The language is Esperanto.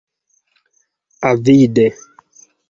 Avide.